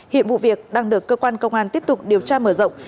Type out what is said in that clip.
hiện vụ việc đang được cơ quan công an tiếp tục điều tra mở rộng